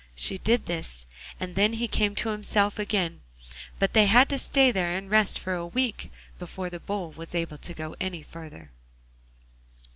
She did this, and then he came to himself again, but they had to stay there and rest for a week before the Bull was able to go any farther.